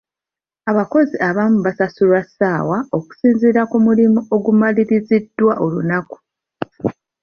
Abakozi abamu basasulwa ssaawa okusinziira ku mulimu ogumaliriziddwa olunaku.